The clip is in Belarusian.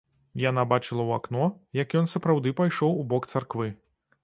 Яна бачыла ў акно, як ён сапраўды пайшоў у бок царквы.